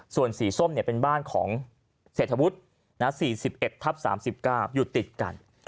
ส่วนสีส้มเป็นบ้านของเศรษฐวุฒิ๔๑ทับ๓๙อยู่ติดกัน